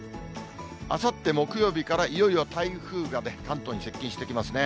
あさって木曜日から、いよいよ台風がね、関東に接近してきますね。